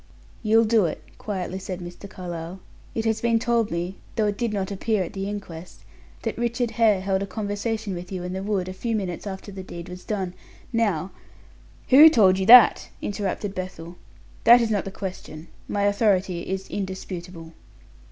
"You'll do it," quietly said Mr. Carlyle. "It has been told me, though it did not appear at the inquest, that Richard Hare held a conversation with you in the wood a few minutes after the deed was done. Now " "Who told you that?" interrupted Bethel. "That is not the question. My authority is indisputable."